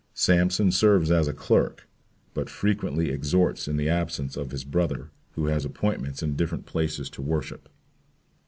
Sampson serves as a clerk, but frequently exhorts in the absence of his brother who has his appointments in different places to worship.